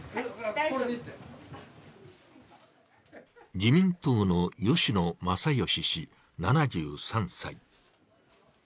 自民党の吉野正芳氏７３歳。